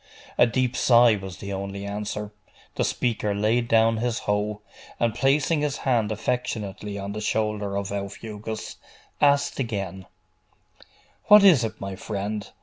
A deep sigh was the only answer. The speaker laid down his hoe, and placing his hand affectionately on the shoulder of Aufugus, asked again 'What is it, my friend?